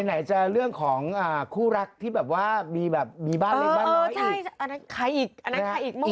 ไหนจะเรื่องของคู่รักที่แบบว่ามีบ้านเองบ้านมีอีก